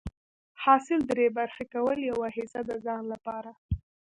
حاصل دری برخي کول، يوه حيصه د ځان لپاره